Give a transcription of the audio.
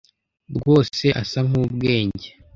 rwose asa nkubwenge.